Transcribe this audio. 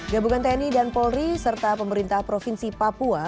gabungan tni dan polri serta pemerintah provinsi papua